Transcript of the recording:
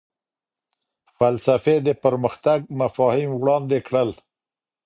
فلسفې د پرمختګ مفاهیم وړاندې کړل.